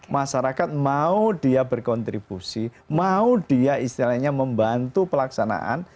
masyarakat mau dia berkontribusi mau dia istilahnya membantu pelaksanaan